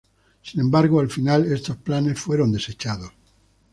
Sin embargo, al final estos planes fueron desechados.